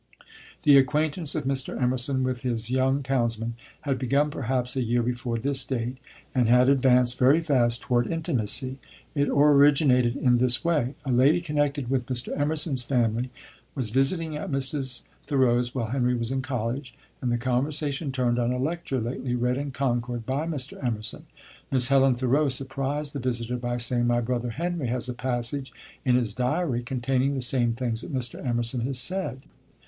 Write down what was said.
The acquaintance of Mr. Emerson with his young townsman had begun perhaps a year before this date, and had advanced very fast toward intimacy. It originated in this way: A lady connected with Mr. Emerson's family was visiting at Mrs. Thoreau's while Henry was in college, and the conversation turned on a lecture lately read in Concord by Mr. Emerson. Miss Helen Thoreau surprised the visitor by saying, "My brother Henry has a passage in his diary containing the same things that Mr. Emerson has said."